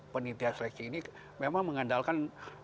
penitia seleksi ini memang mengandalkan